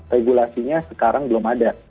regulasinya sekarang belum ada